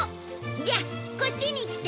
じゃあこっちに来て！